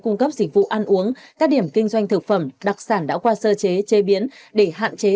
cung cấp dịch vụ ăn uống các điểm kinh doanh thực phẩm đặc sản đã qua sơ chế chế biến để hạn chế